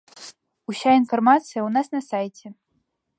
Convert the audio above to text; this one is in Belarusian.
Уся інфармацыя ў нас на сайце.